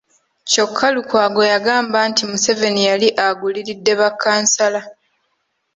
Kyokka Lukwago yagamba nti Museveni yali aguliridde bakkansala .